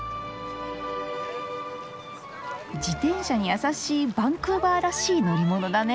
自転車に優しいバンクーバーらしい乗り物だね。